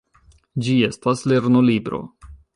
Ĝi estas lernolibro.